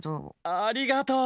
ありがとう！